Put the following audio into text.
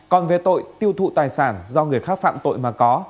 còn về tội tiêu thụ tài sản do người khác phạm tội mà có